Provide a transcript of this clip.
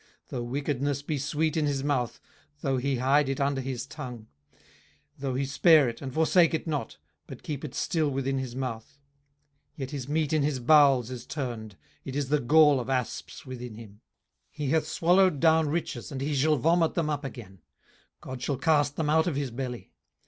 18:020:012 Though wickedness be sweet in his mouth, though he hide it under his tongue; 18:020:013 Though he spare it, and forsake it not; but keep it still within his mouth: 18:020:014 Yet his meat in his bowels is turned, it is the gall of asps within him. 18:020:015 He hath swallowed down riches, and he shall vomit them up again: God shall cast them out of his belly.